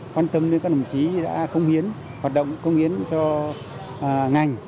quan tâm đến các đồng chí đã công hiến hoạt động công hiến cho ngành